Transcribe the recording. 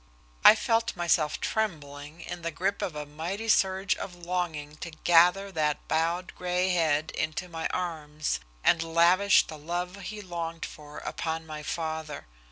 I felt myself trembling in the grip of a mighty surge of longing to gather that bowed gray head into my arms and lavish the love he longed for upon my father.